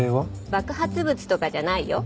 爆発物とかじゃないよ。